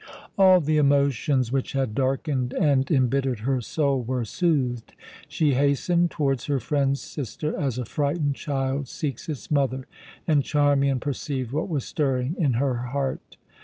All the emotions which had darkened and embittered her soul were soothed. She hastened towards her friend's sister, as a frightened child seeks its mother, and Charmian perceived what was stirring in her heart.